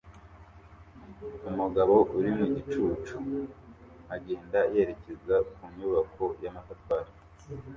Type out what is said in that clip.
Umugabo uri mu gicucu agenda yerekeza ku nyubako y'amatafari